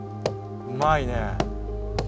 うまいね。